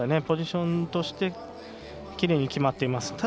ポジションとしてきれいに決まっています。